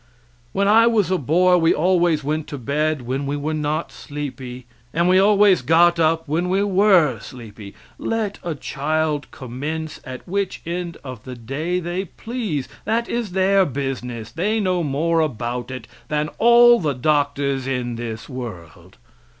When I was a boy we always went to bed when we were not sleepy, and we always got up when we were sleepy. Let a child commence at which end of the day they please, that is their business; they know more about it than all the doctors in the world.